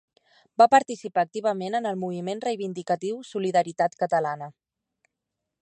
Va participar activament en el moviment reivindicatiu Solidaritat Catalana.